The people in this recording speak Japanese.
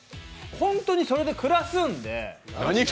ホントにそれで暮らすんで。